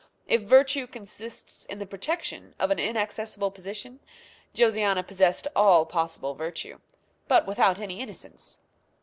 If virtue consists in the protection of an inaccessible position, Josiana possessed all possible virtue, but without any innocence.